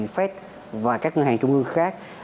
fed và các ngân hàng trung ương khác